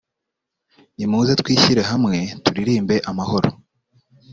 nimuze twishyire hamwe turirimbe amahoro